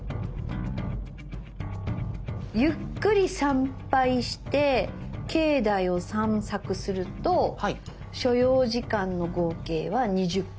ゆっくり参拝して境内を散策すると所要時間の合計は２０分。